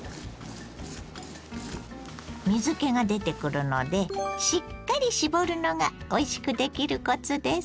水けが出てくるのでしっかり絞るのがおいしくできるコツです。